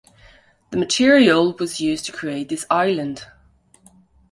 The material was used to create this island.